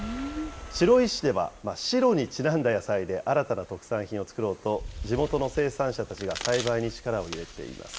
白石市では、白にちなんだ野菜で新たな特産品を作ろうと、地元の生産者たちが栽培に力を入れています。